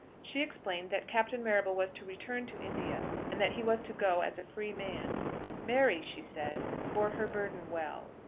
She explained that Captain Marrable was to return to India, and that he was to go as a free man. Mary, she said, bore her burden well.